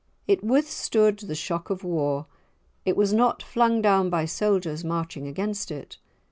It withstood the shock of war, it was not flung down by soldiers marching against it.